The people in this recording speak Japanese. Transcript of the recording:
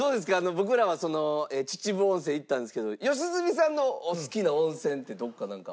僕らは秩父温泉行ったんですけど良純さんのお好きな温泉ってどこかなんか。